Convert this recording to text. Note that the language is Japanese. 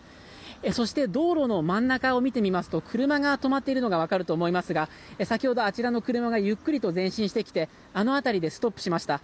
そして道路の真ん中を見てみますと車が止まっているのが分かると思いますが先ほど、あちらの車がゆっくりと前進してきてあの辺りでストップしました。